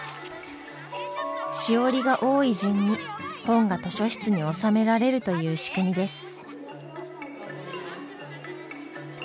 しおりが多い順に本が図書室に納められるという仕組みです。